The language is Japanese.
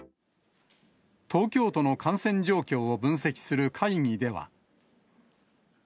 東京都の感染状況を分析する会議では。